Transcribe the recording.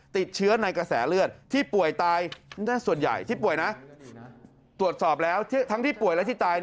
ติดเชื้อในกระแสเลือดที่ป่วยตาย